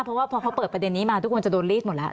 เพราะว่าพอเขาเปิดประเด็นนี้มาทุกคนจะโดนรีดหมดแล้ว